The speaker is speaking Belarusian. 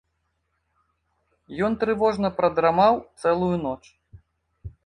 Ён трывожна прадрамаў цэлую ноч.